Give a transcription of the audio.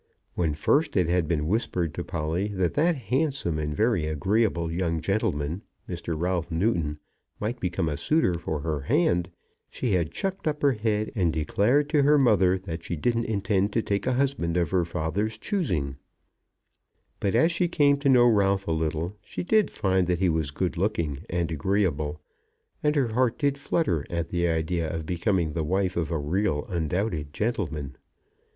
When first it had been whispered to Polly that that handsome and very agreeable young gentleman, Mr. Ralph Newton, might become a suitor for her hand, she had chucked up her head and declared to her mother that she didn't intend to take a husband of her father's choosing; but as she came to know Ralph a little, she did find that he was good looking and agreeable, and her heart did flutter at the idea of becoming the wife of a real, undoubted gentleman.